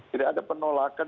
tidak ada penolakan